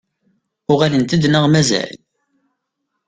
Uɣalent-d neɣ mazal?